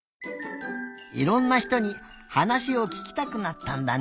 いろんな人にはなしをききたくなったんだね！